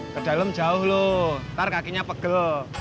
kedalam jauh loh ntar kakinya pegel